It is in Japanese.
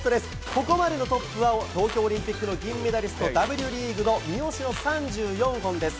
ここまでのトップは、東京オリンピックの銀メダリスト、Ｗリーグの三好の３４本です。